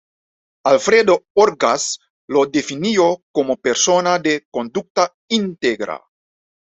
Alfredo Orgaz lo definió como persona de conducta íntegra.